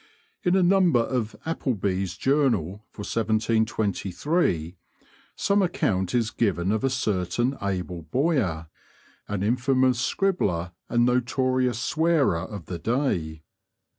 In a number of Applebee's Journal for 1723, some account is given of a certain Abel Boyer, an infamous scribbler and notorious swearer of the day.